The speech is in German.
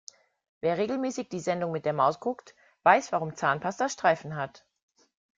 Wer regelmäßig die Sendung mit der Maus guckt, weiß warum Zahnpasta Streifen hat.